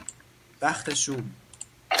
بخت شوم